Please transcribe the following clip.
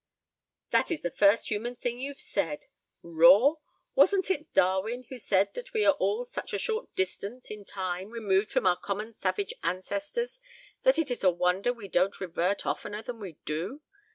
"That is the first human thing you've said. Raw? Wasn't it Darwin who said that we are all such a short distance, in time, removed from our common savage ancestors that it is a wonder we don't revert oftener than we do?